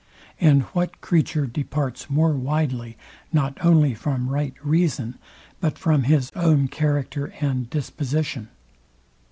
And what creature departs more widely, not only from right reason, but from his own character and disposition?